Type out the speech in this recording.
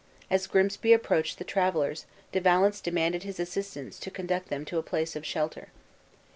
As Grimsby approached the travelers, De Valence demanded his assistance to conduct them to a place of shelter.